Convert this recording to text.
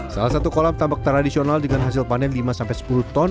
salah satu kolam tambak tradisional dengan hasil panen lima sampai sepuluh ton